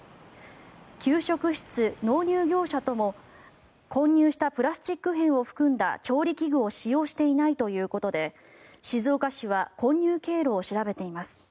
給食室、納入業者とも混入したプラスチック片を含んだ調理器具を使用していないということで静岡市は混入経路を調べています。